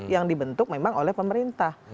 yang dibentuk memang oleh pemerintah